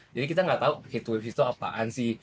jadi kita gak tau heat wave itu apaan sih